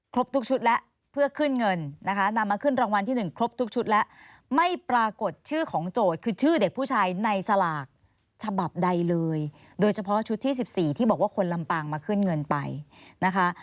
ทุกชุดแล้วเพื่อขึ้นเงินนะคะนำมาขึ้นรางวัลที่๑ครบทุกชุดแล้วไม่ปรากฏชื่อของโจทย์คือชื่อเด็กผู้ชายในสลากฉบับใดเลยโดยเฉพาะชุดที่๑๔ที่บอกว่าคนลำปางมาขึ้นเงินไปนะคะ